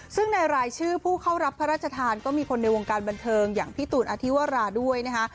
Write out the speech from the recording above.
ซึ่งในรายชื่อผู้เข้ารับพระราชทานก็มีคนในวงการบันเทิงอย่างพี่ตูนอธิวราด้วยนะคะ